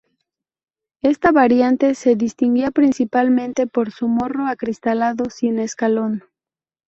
Esta variante se distinguía principalmente por su morro acristalado sin escalón.